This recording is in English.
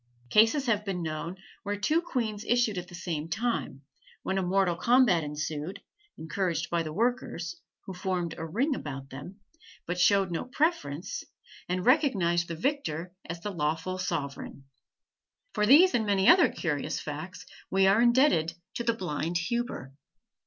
Cases have been known where two queens issued at the same time, when a mortal combat ensued, encouraged by the workers, who formed a ring about them, but showed no preference, and recognized the victor as the lawful sovereign. For these and many other curious facts we are indebted to the blind Huber.